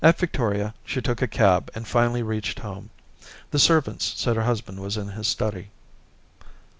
At Victoria she took a cab and finally reached home. The servants said her hus band was in his study.